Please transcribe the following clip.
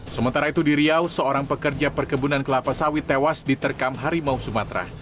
sementara itu di riau seorang pekerja perkebunan kelapa sawit tewas diterkam harimau sumatera